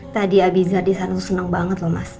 tadi abizar disana tuh seneng banget loh mas